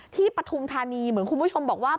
ปฐุมธานีเหมือนคุณผู้ชมบอกว่า